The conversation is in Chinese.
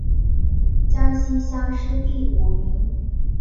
江西乡试第五名。